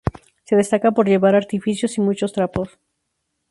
Se destaca por llevar artificios y muchos "trapos".